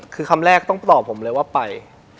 คือคำแรกต้องปลอบผมเลยว่าไป